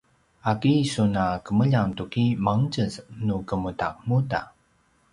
’aki sun a kemljang tuki mangtjez nu kemudamuda?